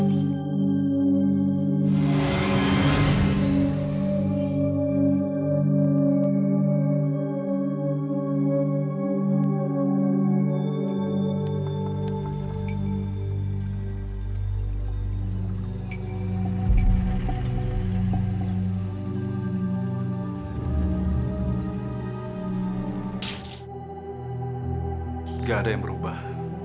gak ada yang berubah